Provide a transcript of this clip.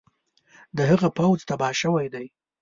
د هغه پوځ تباه شوی دی.